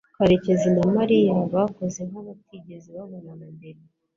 karekezi na mariya bakoze nka batigeze babonana mbere